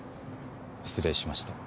失礼しました。